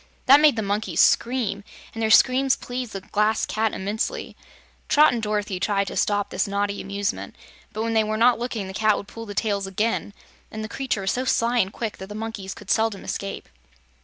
That made the monkeys scream, and their screams pleased the Glass Cat immensely. Trot and Dorothy tried to stop this naughty amusement, but when they were not looking the Cat would pull the tails again, and the creature was so sly and quick that the monkeys could seldom escape.